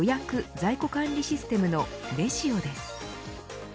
・在庫管理システムのｒｅｚｉｏです。